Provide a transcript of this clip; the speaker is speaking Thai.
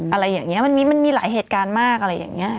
อะไรอย่างนี้มันมีหลายเหตุการณ์มากอะไรอย่างนี้